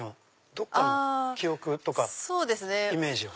どっかの記憶とかイメージを？